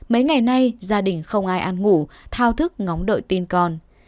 mấy ngày nay gia đình không ai ăn ngủ thao thức ngóng đội tin con